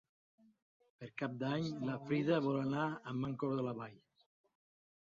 Per Cap d'Any na Frida vol anar a Mancor de la Vall.